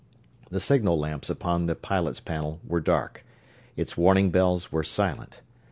The signal lamps upon the pilot's panel were dark, its warning bells were silent.